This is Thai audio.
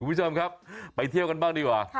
คุณผู้ชมครับไปเที่ยวกันบ้างดีกว่า